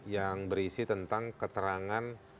yang berisi tentang keterangan